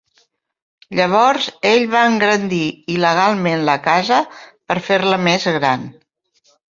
Llavors ell va engrandir il·legalment la casa per fer-la més gran.